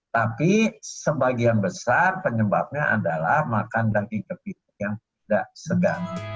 tapi sebagian besar penyebabnya adalah makan daging kepiting yang tidak segar